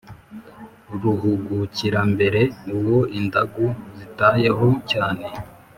Ruhugukirambere: uwo indagu zitayeho cyane.